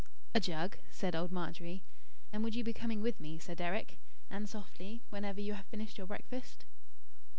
"A jug," said old Margery. "And would you be coming with me, Sir Deryck, and softly, whenever you have finished your breakfast?"